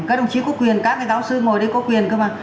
các đồng chí có quyền các cái giáo sư ngồi đấy có quyền cơ mà